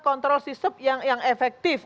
kontrol sistem yang efektif